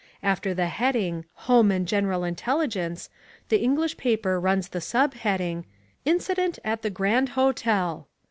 After the heading HOME AND GENERAL INTELLIGENCE the English paper runs the subheading INCIDENT AT THE GRAND HOTEL.